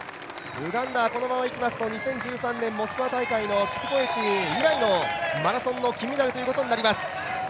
ウガンダはこのままいきますと、２０１３年の大会のコエチ以来の金メダルということになります。